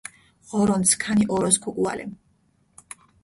ღორონთ, სქანი ოროს ქუგუალე!